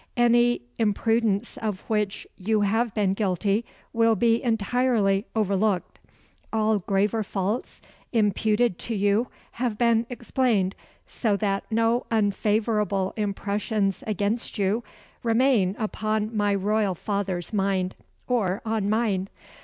Any imprudence of which you have been guilty will be entirely overlooked. All graver faults imputed to you have been explained so that no unfavourable impressions against you remain upon my royal father's mind or on mine.